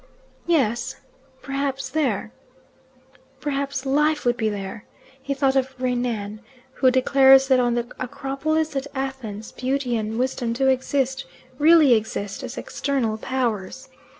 "Yes. Perhaps there " Perhaps life would be there. He thought of Renan, who declares that on the Acropolis at Athens beauty and wisdom do exist, really exist, as external powers.